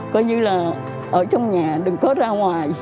coi như là ở trong nhà đừng có ra ngoài